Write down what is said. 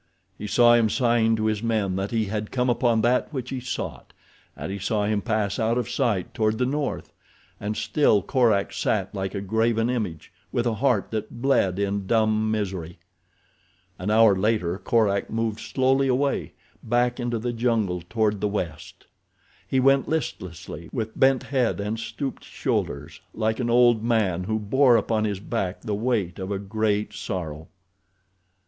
He saw him sign to his men that he had come upon that which he sought and he saw him pass out of sight toward the north, and still Korak sat like a graven image, with a heart that bled in dumb misery. An hour later Korak moved slowly away, back into the jungle toward the west. He went listlessly, with bent head and stooped shoulders, like an old man who bore upon his back the weight of a great sorrow.